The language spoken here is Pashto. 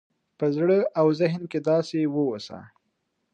په زړه او ذهن کې داسې واوسه